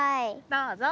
どうぞ。